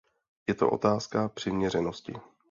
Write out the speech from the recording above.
Je to otázka přiměřenosti.